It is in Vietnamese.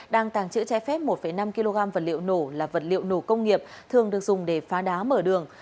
đang tàng trữ trái phép một năm kg vật liệu nổ là vật liệu nổ công nghiệp thường được dùng để phá đá mở đường